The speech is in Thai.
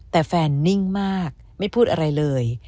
แต่แฟนนิ่งมากไม่พูดอะไรเลย